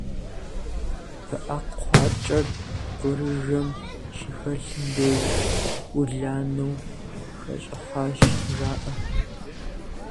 Пыӏэ кхъуакӏэр кӏурыжэм щыхэлъым деж ӏуланэу хэщӏыхьащ жаӏэ.